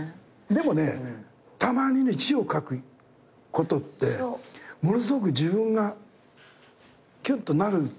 でもたまに字を書くことってものすごく自分がキュンとなる瞬間がありますね。